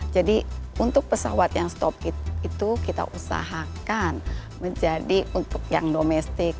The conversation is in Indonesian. jadi untuk pesawat yang stop itu kita usahakan menjadi untuk yang domestik